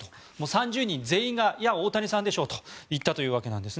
３０人全員が大谷さんでしょうと言ったわけなんです。